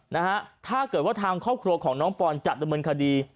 นะฮะถ้าเกิดว่าทางครอบครัวของน้องปอนจัดดำเนินคดี